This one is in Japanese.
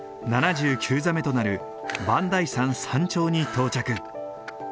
７９座目となる磐梯山山頂に到着。